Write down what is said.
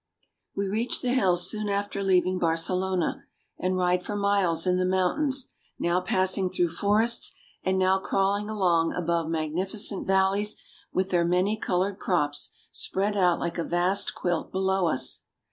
We reach the hills soon after leaving Barcelona, and ride for miles in the mountains, now passing through forests, and now crawling along above magnificent valleys with their many colored crops spread out like a vast quilt below us.